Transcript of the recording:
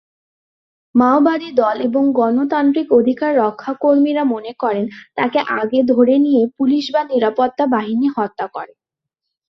মাওবাদী দল এবং গণতান্ত্রিক অধিকার রক্ষা কর্মীরা মনে করেন তাকে আগে ধরে নিয়ে পুলিশ বা নিরাপত্তা বাহিনী হত্যা করে।